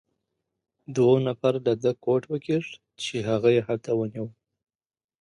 دوو نفر له ده کوټ وکیښ، چې هغه يې هلته ونیو.